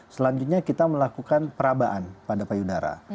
selanjutnya kita melakukan perabaan pada payudara